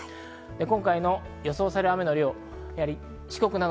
今回予想される雨の量です。